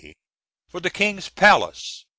For the King's palace ........................